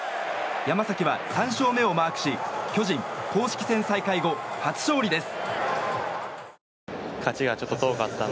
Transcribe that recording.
山崎は３勝目をマークし巨人、公式戦再開後初勝利です。